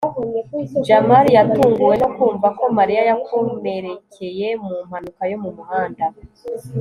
jamali yatunguwe no kumva ko mariya yakomerekeye mu mpanuka yo mu muhanda